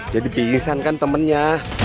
jadi bingisan kan temennya